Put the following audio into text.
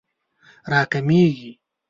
راکمېږي